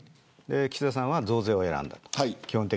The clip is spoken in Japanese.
岸田さんは増税を選びました。